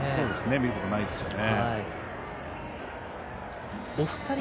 見ることないですね。